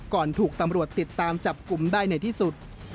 ถูกตำรวจติดตามจับกลุ่มได้ในที่สุด